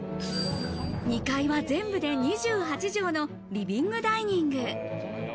２階は全部で２８畳のリビングダイニング。